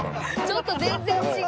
ちょっと全然違います。